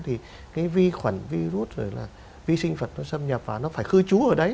thì cái vi khuẩn virus rồi là vi sinh vật nó xâm nhập và nó phải cư trú ở đấy